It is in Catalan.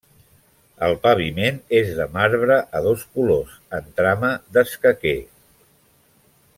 El paviment és de marbre a dos colors en trama d'escaquer.